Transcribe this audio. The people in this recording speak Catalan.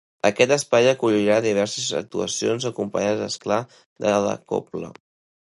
Aquest espai acollirà diverses actuacions, acompanyades, és clar, de la cobla.